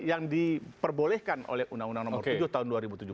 yang diperbolehkan oleh undang undang nomor tujuh tahun dua ribu tujuh belas